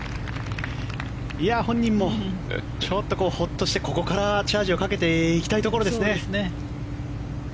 本人もちょっとホッとしてここからチャージをかけていきたいところですね。